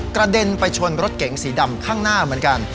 กระเด็นไปชนรถเก๋งสีดำข้างหน้าเหมือนกัน